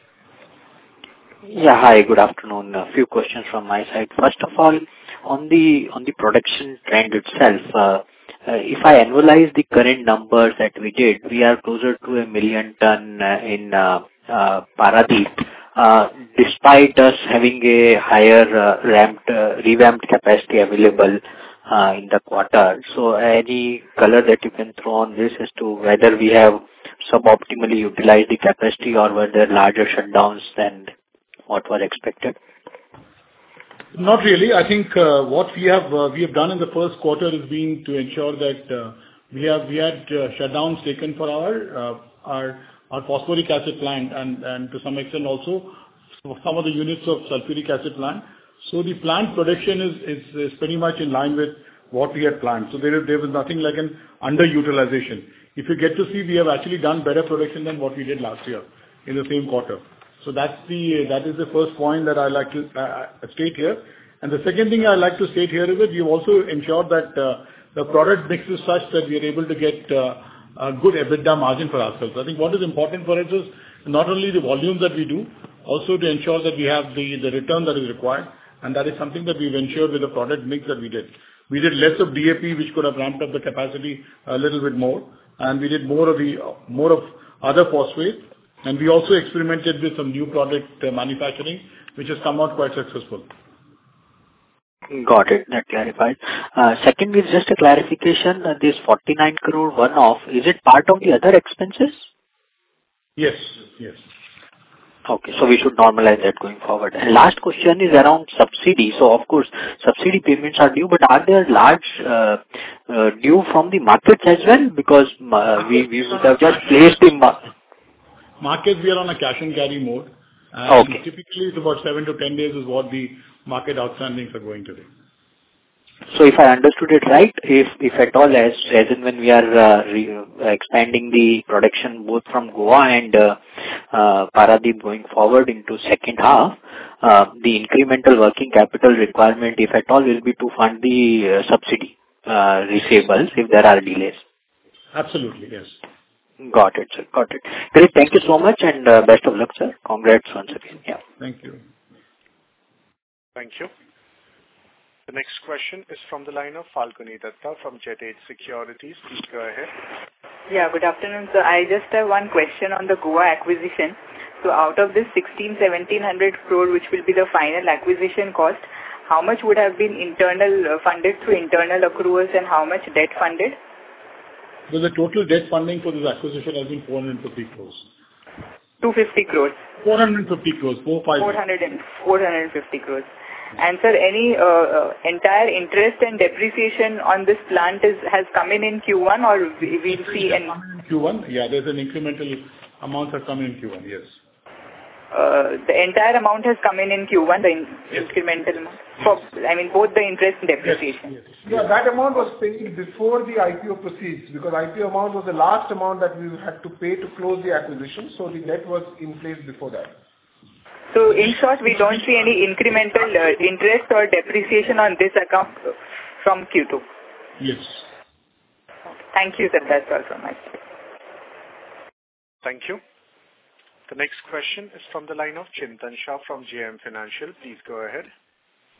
Yeah. Hi. Good afternoon. A few questions from my side. First of all, on the production trend itself, if I analyze the current numbers that we did, we are closer to 1 million tons in Paradeep despite us having a higher revamped capacity available in the quarter. So any color that you can throw on this as to whether we have suboptimally utilized the capacity or whether larger shutdowns than what were expected? Not really. I think what we have done in the first quarter has been to ensure that we had shutdowns taken for our phosphoric acid plant and to some extent also for some of the units of sulfuric acid plant. So the plant production is pretty much in line with what we had planned. So there was nothing like an underutilization. If you get to see, we have actually done better production than what we did last year in the same quarter. So that is the first point that I'd like to state here. The second thing I'd like to state here is that we've also ensured that the product mix is such that we are able to get a good EBITDA margin for ourselves. I think what is important for us is not only the volumes that we do, also to ensure that we have the return that is required. That is something that we've ensured with the product mix that we did. We did less of DAP, which could have ramped up the capacity a little bit more. We also experimented with some new product manufacturing, which has come out quite successful. Got it. That clarifies. Secondly, just a clarification, this 49 crore one-off, is it part of the other expenses? Yes. Yes. Okay. So we should normalize that going forward. And last question is around subsidy. So, of course, subsidy payments are due, but are there large dues from the markets as well because we would have just placed the? Markets, we are on a cash-and-carry mode. Typically, it's about seven to 10 days is what the market outstandings are going today. If I understood it right, if at all, as in when we are expanding the production both from Goa and Paradeep going forward into second half, the incremental working capital requirement, if at all, will be to fund the subsidy receivables if there are delays? Absolutely. Yes. Got it, sir. Got it. Great. Thank you so much, and best of luck, sir. Congrats once again. Yeah. Thank you. Thank you. The next question is from the line of Falguni Dutta from Jet Age Securities. Please go ahead. Yeah. Good afternoon, sir. I just have one question on the Goa acquisition. So out of this 1,600 crore to 1,700 crore, which will be the final acquisition cost, how much would have been funded through internal accruals, and how much debt funded? Well, the total debt funding for this acquisition has been 450 crore. 250 crores? 450 crore. 4,500. 450 crore. Sir, has the entire interest and depreciation on this plant come in Q1, or we'll see an? It has come in in Q1. Yeah. There's an incremental amount that's come in Q1. Yes. The entire amount has come in in Q1, the incremental amount? I mean, both the interest and depreciation? Yes. Yes. Yeah. That amount was paid before the IPO proceeds because IPO amount was the last amount that we had to pay to close the acquisition. So the debt was in place before that. In short, we don't see any incremental interest or depreciation on this account from Q2? Yes. Okay. Thank you, sir. That's all from me. Thank you. The next question is from the line of Chintan Shah from JM Financial. Please go ahead.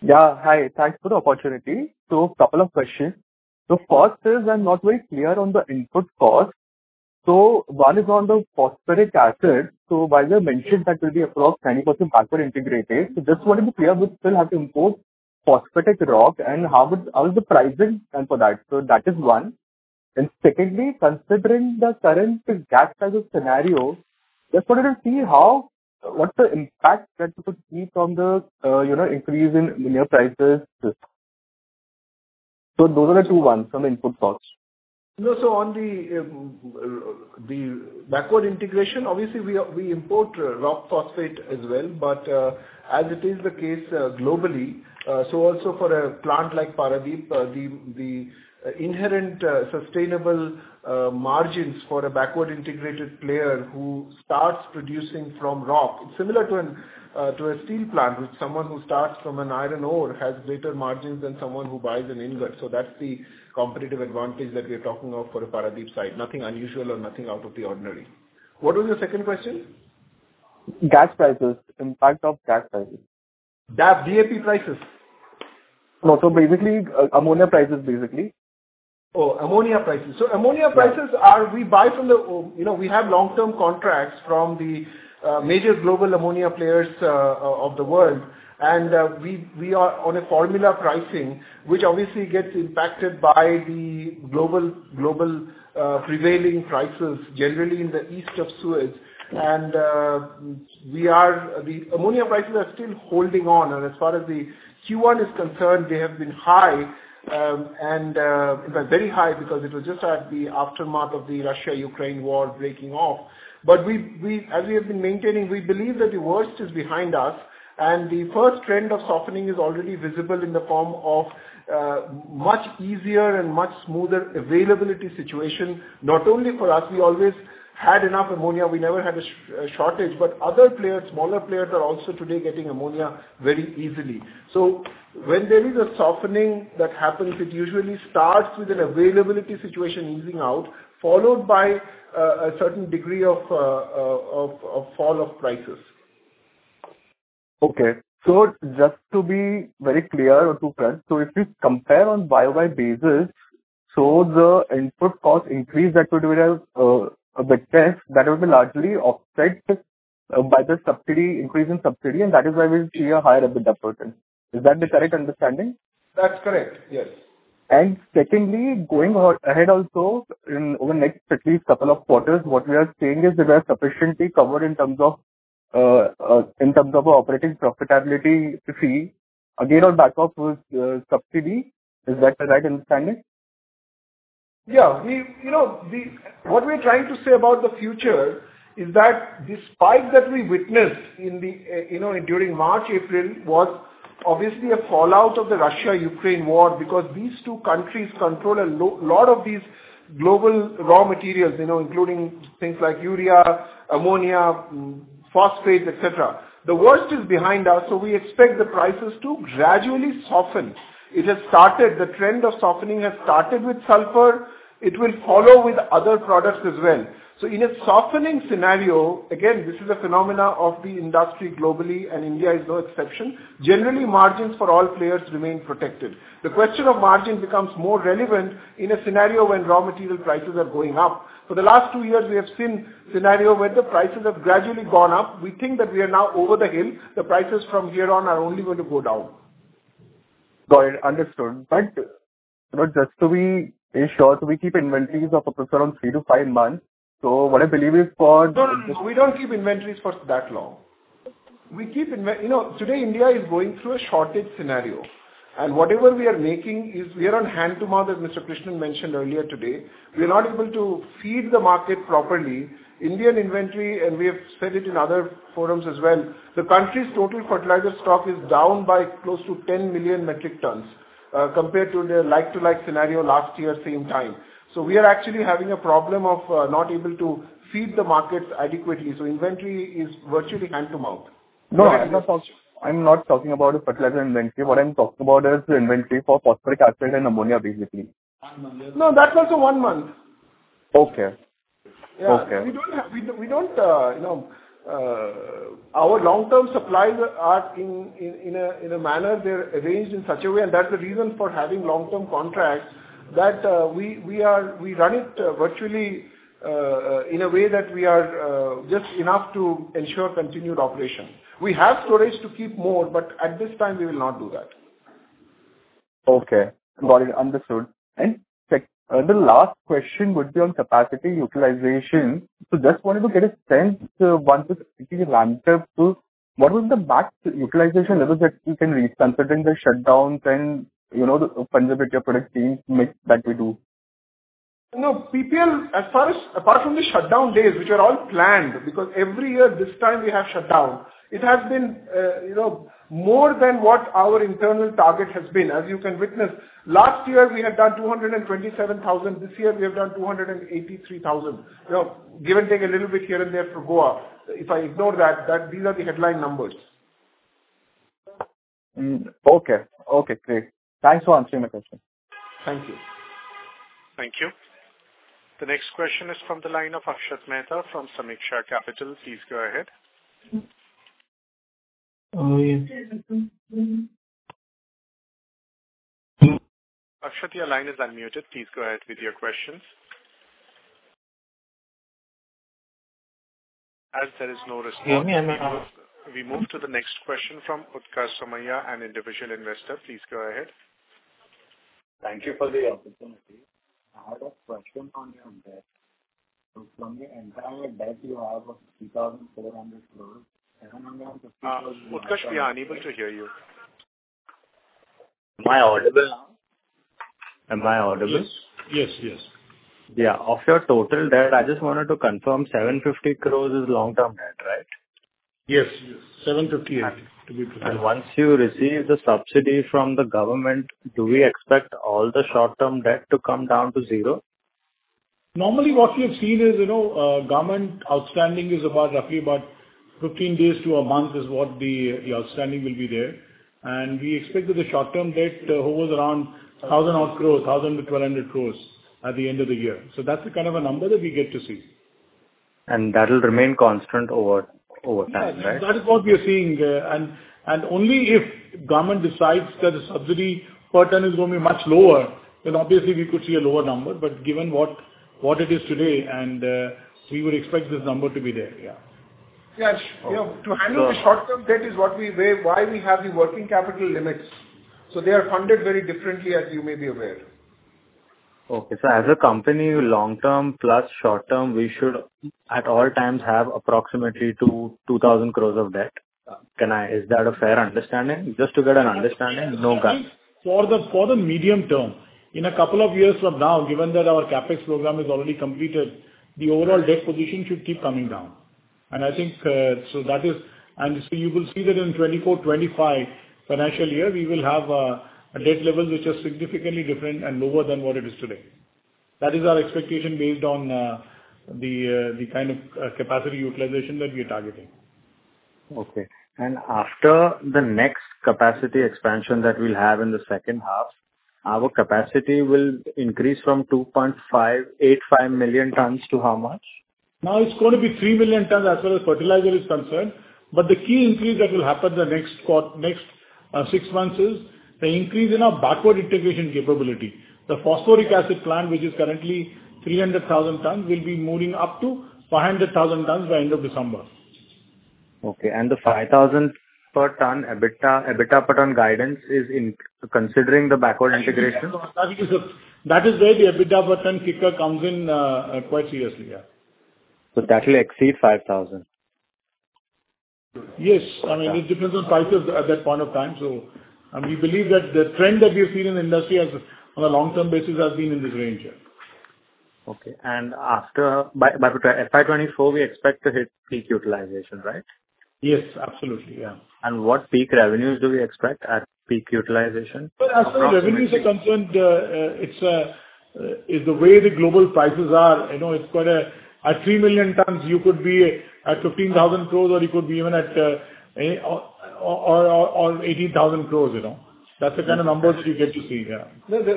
Yeah. Hi. Thanks for the opportunity. So a couple of questions. So first is I'm not very clear on the input cost. So one is on the phosphoric acid. So while you mentioned that it will be approximately 90% backward integrated, so just wanted to be clear, we'd still have to import rock phosphate. And how is the pricing for that? So that is one. And secondly, considering the current gas prices scenario, just wanted to see what's the impact that it would be from the increase in mineral prices? So those are the two ones from input costs. No. So on the backward integration, obviously, we import rock phosphate as well. But as it is the case globally, so also for a plant like Paradeep, the inherent sustainable margins for a backward integrated player who starts producing from rock, it's similar to a steel plant, which someone who starts from an iron ore has greater margins than someone who buys an ingot. So that's the competitive advantage that we are talking of for a Paradeep site. Nothing unusual or nothing out of the ordinary. What was your second question? Gas prices. Impact of gas prices. DAP, DAP prices? No. So ammonia prices, basically. Oh, ammonia prices. So ammonia prices, we buy from the, we have long-term contracts from the major global ammonia players of the world. And we are on a formula pricing, which obviously gets impacted by the global prevailing prices, generally in the East of Suez. And the ammonia prices are still holding on. And as far as the Q1 is concerned, they have been high and, in fact, very high because it was just at the aftermath of the Russia-Ukraine war breaking off. But as we have been maintaining, we believe that the worst is behind us. And the first trend of softening is already visible in the form of much easier and much smoother availability situation, not only for us. We always had enough ammonia. We never had a shortage. But other players, smaller players, are also today getting ammonia very easily. When there is a softening that happens, it usually starts with an availability situation easing out, followed by a certain degree of fall of prices. Okay. So just to be very clear or to recap, so if you compare on year-by-year basis, so the input cost increase that would have a bit less, that would be largely offset by the increase in subsidy. And that is why we see a higher EBITDA%. Is that the correct understanding? That's correct. Yes. And secondly, going ahead also, over the next at least couple of quarters, what we are seeing is that we are sufficiently covered in terms of our operating profitability fee, again, on back-off with subsidy. Is that the right understanding? Yeah. What we are trying to say about the future is that the spike that we witnessed during March, April was obviously a fallout of the Russia-Ukraine war because these two countries control a lot of these global raw materials, including things like urea, ammonia, phosphate, etc. The worst is behind us. So we expect the prices to gradually soften. The trend of softening has started with sulfur. It will follow with other products as well. So in a softening scenario, again, this is a phenomenon of the industry globally, and India is no exception, generally, margins for all players remain protected. The question of margin becomes more relevant in a scenario when raw material prices are going up. For the last two years, we have seen a scenario where the prices have gradually gone up. We think that we are now over the hill. The prices from here on are only going to go down. Got it. Understood. But just to be sure, so we keep inventories of approximately three to five months. So what I believe is for. No, no, no. We don't keep inventories for that long. Today, India is going through a shortage scenario. And whatever we are making is we are on hand to mouth, as Mr. Krishnan mentioned earlier today. We are not able to feed the market properly. Indian inventory, and we have said it in other forums as well, the country's total fertilizer stock is down by close to 10 million metric tons compared to the like-to-like scenario last year, same time. So we are actually having a problem of not able to feed the markets adequately. So inventory is virtually hand to mouth. No, I'm not talking about a fertilizer inventory. What I'm talking about is the inventory for phosphoric acid and ammonia, basically. One month, yes. No, that's also one month. Okay. Yeah. We ensure our long-term supplies are in a manner they're arranged in such a way. And that's the reason for having long-term contracts that we run it virtually in a way that we are just enough to ensure continued operation. We have storage to keep more, but at this time, we will not do that. Okay. Got it. Understood. And the last question would be on capacity utilization. So just wanted to get a sense once it's ramped up to what was the max utilization level that you can reach considering the shutdowns and the fungibility of product streams that we do? No. PPL, as far as apart from the shutdown days, which are all planned because every year, this time, we have shutdown, it has been more than what our internal target has been, as you can witness. Last year, we had done 227,000. This year, we have done 283,000, give and take a little bit here and there for Goa. If I ignore that, these are the headline numbers. Okay. Okay. Great. Thanks so much. Thank you. Thank you. Thank you. The next question is from the line of Akshat Mehta from Sameeksha Capital. Please go ahead. Oh, yes. Akshat, your line is unmuted. Please go ahead with your questions. As there is no response, we move to the next question from Utkarsh Somaiya, an individual investor. Please go ahead. Thank you for the opportunity. I have a question on your debt. So from the entire debt you have of 2,400 crore, INR 750,000 is your. Utkarsh, we are unable to hear you. Am I audible now? Am I audible? Yes. Yes. Yes. Yeah. Of your total debt, I just wanted to confirm 750 crore is long-term debt, right? Yes. Yes. 758, to be precise. Once you receive the subsidy from the government, do we expect all the short-term debt to come down to zero? Normally, what we have seen is government outstanding is roughly about 15 days to a month is what the outstanding will be there. We expect that the short-term debt hovers around 1,000 odd crores, 1,000 to 1,200 crores at the end of the year. That's the kind of a number that we get to see. That will remain constant over time, right? That is what we are seeing. Only if government decides that the subsidy per ton is going to be much lower, then obviously, we could see a lower number. But given what it is today, we would expect this number to be there. Yeah. Yeah. To handle the short-term debt is why we have the working capital limits. They are funded very differently, as you may be aware. Okay. As a company, long-term plus short-term, we should at all times have approximately 2,000 crore of debt. Is that a fair understanding? Just to get an understanding, no pun. For the medium term, in a couple of years from now, given that our CapEx program is already completed, the overall debt position should keep coming down. And I think so that is and so you will see that in 2024, 2025 financial year, we will have a debt level which is significantly different and lower than what it is today. That is our expectation based on the kind of capacity utilization that we are targeting. Okay. After the next capacity expansion that we'll have in the second half, our capacity will increase from 2.585 million tons to how much? Now, it's going to be 3 million tons as far as fertilizer is concerned. But the key increase that will happen the next six months is the increase in our backward integration capability. The phosphoric acid plant, which is currently 300,000 tons, will be moving up to 500,000 tons by end of December. Okay. The 5,000 per ton EBITDA per ton guidance is considering the backward integration? That is where the EBITDA per ton kicker comes in quite seriously. Yeah. That will exceed 5,000? Yes. I mean, it depends on prices at that point of time. So we believe that the trend that we have seen in the industry on a long-term basis has been in this range. Okay. By FY2024, we expect to hit peak utilization, right? Yes. Absolutely. Yeah. What peak revenues do we expect at peak utilization? Well, as far as revenues are concerned, it's the way the global prices are. It's quite a at 3 million tons, you could be at 15,000 crore, or you could be even at 18,000 crore. That's the kind of numbers that you get to see. Yeah.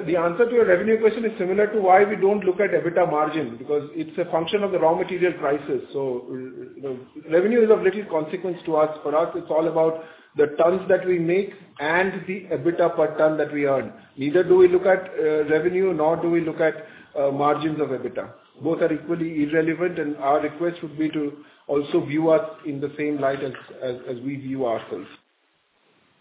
The answer to your revenue question is similar to why we don't look at EBITDA margin because it's a function of the raw material prices. So revenue is of little consequence to us. For us, it's all about the tons that we make and the EBITDA per ton that we earn. Neither do we look at revenue, nor do we look at margins of EBITDA. Both are equally irrelevant. And our request would be to also view us in the same light as we view ourselves.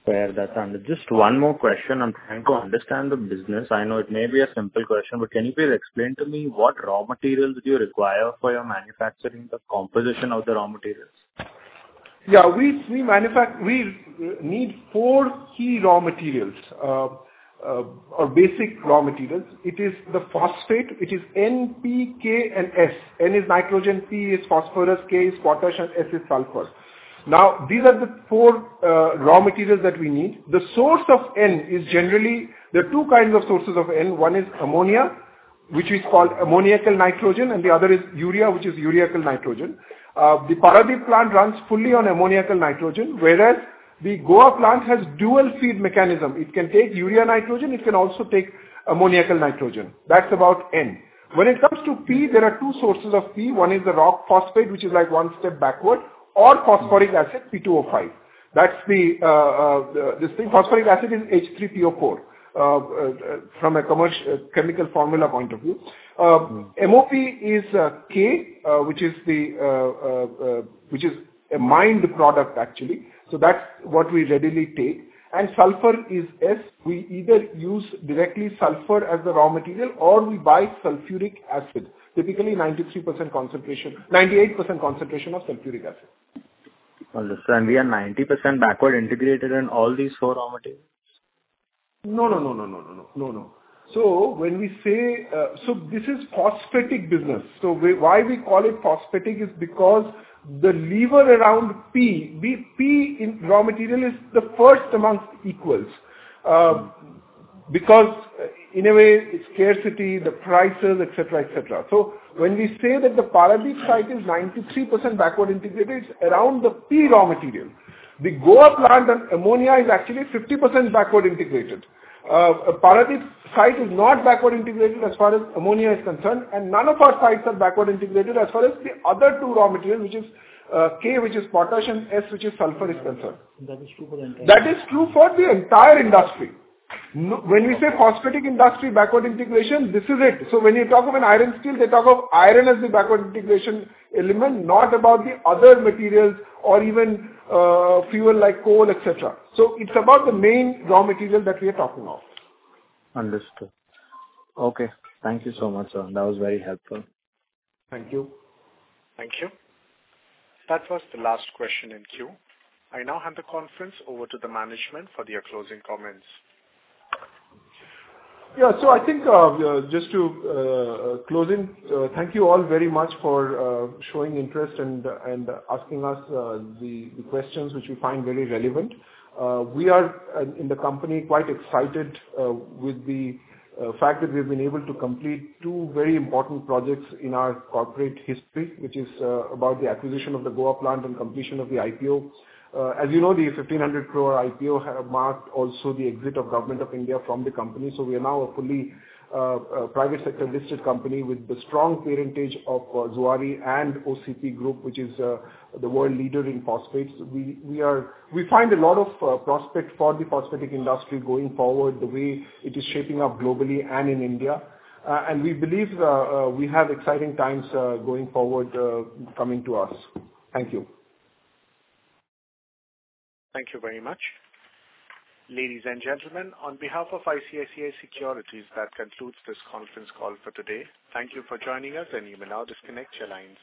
Fair. That's understood. Just one more question. I'm trying to understand the business. I know it may be a simple question, but can you please explain to me what raw materials do you require for your manufacturing, the composition of the raw materials? Yeah. We need four key raw materials or basic raw materials. It is the phosphate. It is N, P, K, and S. N is nitrogen, P is phosphorus, K is potash, and S is sulfur. Now, these are the four raw materials that we need. The source of N is generally there are two kinds of sources of N. One is ammonia, which is called ammoniacal nitrogen, and the other is urea, which is ureal nitrogen. The Paradeep plant runs fully on ammoniacal nitrogen, whereas the Goa plant has dual feed mechanism. It can take urea nitrogen. It can also take ammoniacal nitrogen. That's about N. When it comes to P, there are two sources of P. One is the rock phosphate, which is one step backward, or phosphoric acid, P2O5. That's the thing. Phosphoric acid is H3PO4 from a chemical formula point of view. MOP is K, which is a mined product, actually. So that's what we readily take. And sulfur is S. We either use directly sulfur as the raw material, or we buy sulfuric acid, typically 93% concentration, 98% concentration of sulfuric acid. Understood. We are 90% backward integrated in all these four raw materials? No, no, no, no, no, no, no, no, no. So when we say so this is phosphatic business. So why we call it phosphatic is because the lever around P, P in raw material is the first amongst equals because, in a way, it's scarcity, the prices, etc., etc. So when we say that the Paradeep site is 93% backward integrated, it's around the P raw material. The Goa plant on ammonia is actually 50% backward integrated. Paradeep site is not backward integrated as far as ammonia is concerned. And none of our sites are backward integrated as far as the other two raw materials, which is K, which is potash, and S, which is sulfur, is concerned. That is true for the entire. That is true for the entire industry. When we say phosphatic industry backward integration, this is it. So when you talk of an iron steel, they talk of iron as the backward integration element, not about the other materials or even fuel like coal, etc. So it's about the main raw material that we are talking of. Understood. Okay. Thank you so much, sir. That was very helpful. Thank you. Thank you. That was the last question in queue. I now hand the conference over to the management for their closing comments. Yeah. So I think just to closing, thank you all very much for showing interest and asking us the questions, which we find very relevant. We are in the company quite excited with the fact that we've been able to complete two very important projects in our corporate history, which is about the acquisition of the Goa plant and completion of the IPO. As you know, the 1,500 crore IPO marked also the exit of Government of India from the company. So we are now a fully private sector listed company with the strong parentage of Zuari and OCP Group, which is the world leader in phosphates. We find a lot of prospects for the phosphatic industry going forward the way it is shaping up globally and in India. And we believe we have exciting times going forward coming to us. Thank you. Thank you very much, ladies and gentlemen. On behalf of ICICI Securities, that concludes this conference call for today. Thank you for joining us, and you may now disconnect your lines.